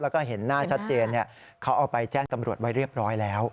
แล้วก็เห็นหน้าชัดเจนเขาเอาไปแจ้งตำรวจไว้เรียบร้อยแล้ว